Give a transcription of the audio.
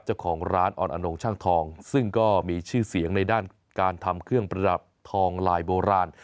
เจ้าของร้านออนอนงช่างทองซึ่งก็มีชื่อเสียงในด้านการทำเครื่องประดับทองลายโบราณ